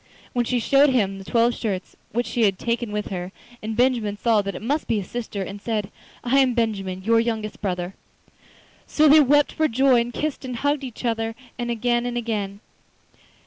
Then she showed him the twelve shirts which she had taken with her, and Benjamin saw that it must be his sister, and said: 'I am Benjamin, your youngest brother.' So they wept for joy, and kissed and hugged each other again and again.